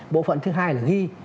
bộ phận thứ hai là ghi